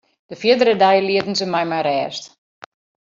De fierdere dei lieten se my mei rêst.